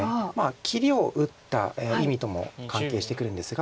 切りを打った意味とも関係してくるんですが。